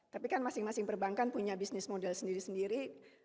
tapi kan masing masing perbankan punya bisnis model sendiri sendiri